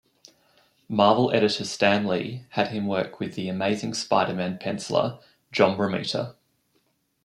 Marvel editor Stan Lee had him work with "The Amazing Spider-Man" penciler John Romita.